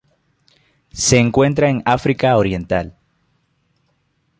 Se encuentra en África oriental.